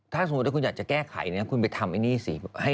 ถ้าสมมุติคุณอยากจะแก้ไขคุณไปทำอันนี้สิ